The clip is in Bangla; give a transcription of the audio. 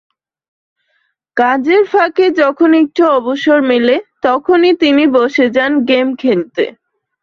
কাজের ফাঁকে যখনই একটু অবসর মেলে, তখনই তিনি বসে যান গেম খেলতে।